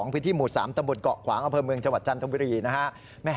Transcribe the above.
พิธีหมู่๓ตะหมุดเกาะขวางอเภอเมืองจังหวัดจันทร์ธรรมบิรินะฮะ